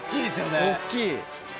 大っきい。